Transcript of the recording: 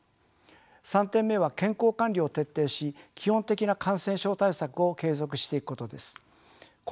３点目は健康管理を徹底し基本的な感染症対策を継続していくことです。